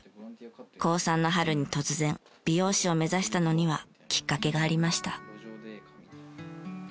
高３の春に突然美容師を目指したのにはきっかけがありました。